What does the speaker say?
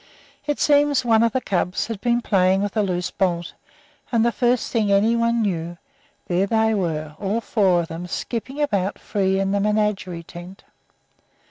It seems one of the cubs had been playing with a loose bolt, and the first thing anybody knew, there they were, all four of them, skipping about free in the menagerie tent.